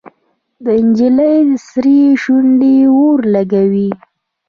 د نجلۍ سرې شونډې اور لګوي.